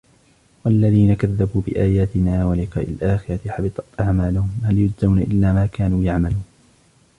والذين كذبوا بآياتنا ولقاء الآخرة حبطت أعمالهم هل يجزون إلا ما كانوا يعملون